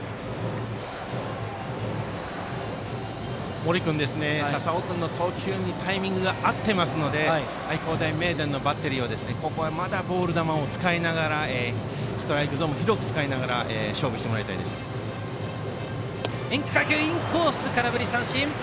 森君は笹尾君の投球にタイミングが合っているので愛工大名電のバッテリーはここはまだボール球を使いながらストライクゾーンも広く使いながら変化球、インコース空振り三振！